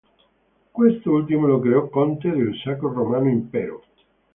Quest'ultimo lo creò conte del Sacro Romano Impero.